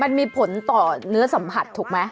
มันมีผลต่อเนื้อสัมผัสถูกไหม